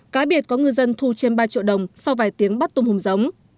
cá biệt có ngư dân thu trên ba triệu đồng sau vài tiếng bắt tôm hùm giống